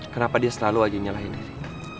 kenapa dia selalu aja nyalahin diri